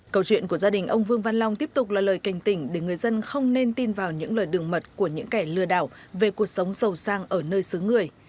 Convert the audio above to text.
câu chuyện của gia đình ông vương văn long tiếp tục là lời cảnh tỉnh để người dân không nên tin vào những lời đường mật của những kẻ lừa đảo về cuộc sống sầu sang ở nơi xứ người